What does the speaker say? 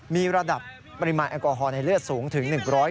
มีระดับปริมาณแอลกอฮอลในเลือดสูงถึง๑๐๐